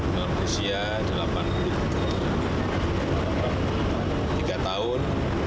dalam usia delapan puluh tiga tahun